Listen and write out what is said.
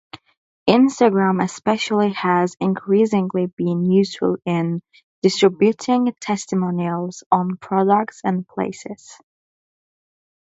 Instagram especially has increasingly been useful in distributing testimonials on products and places.